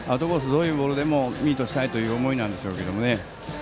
強いボールでもミートしたいという思いなんでしょうか。